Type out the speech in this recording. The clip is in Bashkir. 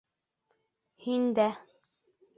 — Һин дә.